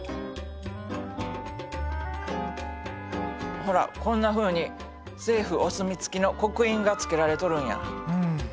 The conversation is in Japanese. ほらこんなふうに政府お墨付きの刻印がつけられとるんや。